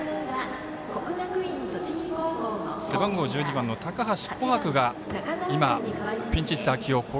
背番号１２番の高橋心春空が今、ピンチヒッター起用。